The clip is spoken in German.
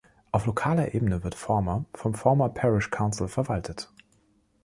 Auf lokaler Ebene wird Falmer vom Falmer Parish Council verwaltet.